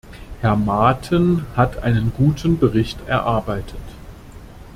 Herr Maaten hat einen guten Bericht erarbeitet.